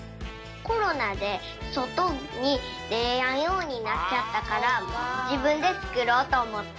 コロナでそとにでれやんようになっちゃったからじぶんでつくろうとおもった。